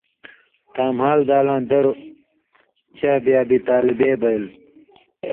تاں مھال دالاں دَروۡ شعب ابی طالبے بئیلوۡ۔